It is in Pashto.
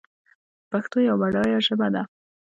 پښتو یوه بډایه ژبه ده